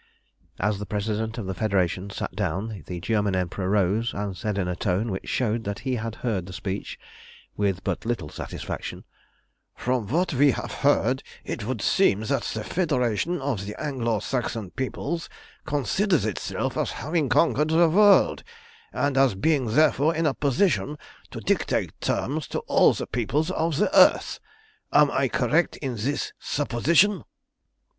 As the President of the Federation sat down the German Emperor rose and said in a tone which showed that he had heard the speech with but little satisfaction "From what we have heard it would seem that the Federation of the Anglo Saxon peoples considers itself as having conquered the world, and as being, therefore, in a position to dictate terms to all the peoples of the earth. Am I correct in this supposition?"